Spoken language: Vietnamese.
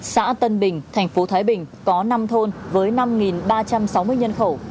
xã tân bình thành phố thái bình có năm thôn với năm ba trăm sáu mươi nhân khẩu